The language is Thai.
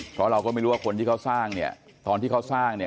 เพราะเราก็ไม่รู้ว่าคนที่เขาสร้างเนี่ยตอนที่เขาสร้างเนี่ย